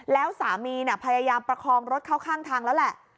แล้วสามีพยายามประคองรถเข้าข้างทางแล้วแหละ